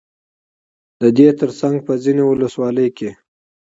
ددې ترڅنگ په ځينو ولسواليو كې